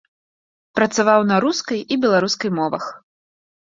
Працаваў на рускай і беларускай мовах.